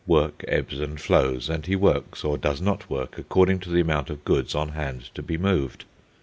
Work ebbs and flows, and he works or does not work according to the amount of goods on hand to be moved.